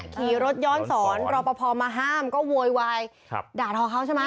ขี่รถย้อนสอนรอปภมาห้ามก็โวยวายด่าทอเขาใช่ไหม